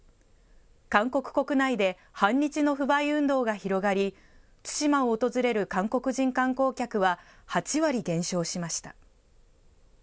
韓国国内で反日の不買運動が広がり、対馬を訪れる韓国人観光客は８割減少しました。